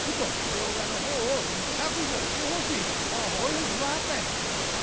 「動画の方を削除してほしい」とこういうふうに言わはったんよ。